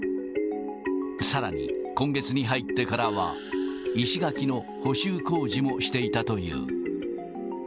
さらに、今月に入ってからは、石垣の補修工事もしていたという。